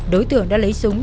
đối tượng đã lấy súng